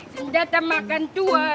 senggata makan dua